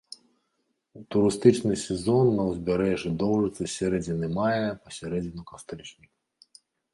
Турыстычны сезон на ўзбярэжжы доўжыцца з сярэдзіны мая па сярэдзіну кастрычніка.